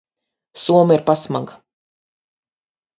Soma ir pasmaga.